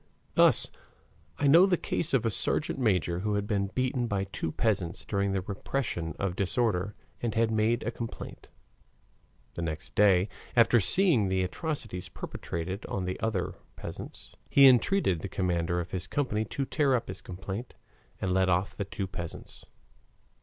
Thus I know the case of a sergeant major who had been beaten by two peasants during the repression of disorder and had made a complaint. The next day, after seeing the atrocities perpetrated on the other peasants, he entreated the commander of his company to tear up his complaint and let off the two peasants.